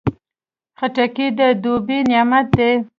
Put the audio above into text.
خټکی د دوبی نعمت دی.